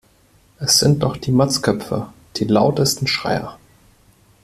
Es sind doch die Motzköpfe die lautesten Schreier.